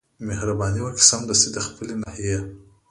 مهرباني وکړئ سمدستي د خپلي ناحيې